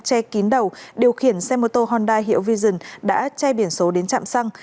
che kín đầu điều khiển xe mô tô honda hiệu vision đã che biển số đến trạm xăng